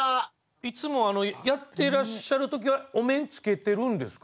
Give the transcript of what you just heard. いつもやってらっしゃる時はお面着けてるんですか？